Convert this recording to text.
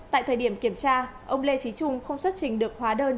tại thời điểm kiểm tra ông lê trí trung không xuất trình được hóa đơn